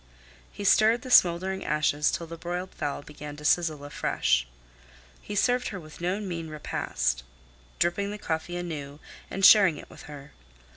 He stirred the smoldering ashes till the broiled fowl began to sizzle afresh. He served her with no mean repast, dripping the coffee anew and sharing it with her.